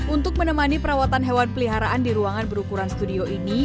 untuk menemani perawatan hewan peliharaan di ruangan berukuran studio ini